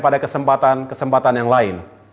pada kesempatan kesempatan yang lain